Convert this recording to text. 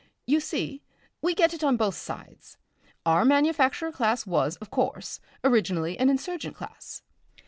"You see, we get it on both sides. Our manufacturer class was, of course, originally an insurgent class.